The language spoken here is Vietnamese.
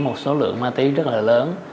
một số lượng ma túy rất là lớn